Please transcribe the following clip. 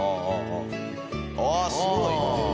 ああすごい！